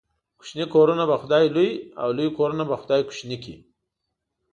کوچني کورونه به خداى لوى ، او لوى کورونه به خداى کوچني کړي.